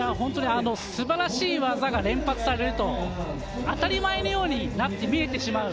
素晴らしい技が連発されると、当たり前のようになって見れてしまう。